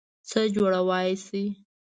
څه جوړوئ شی؟